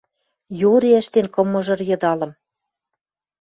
Йори ӹштен кым мыжыр йыдалым